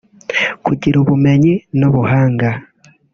Kugira ubumenyi n’ubuhanga